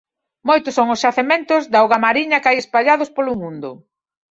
Moitos son os xacementos de augamariña que hai espallados polo mundo.